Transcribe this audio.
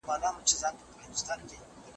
هغه څوک چي وخت تېروي منظم وي!.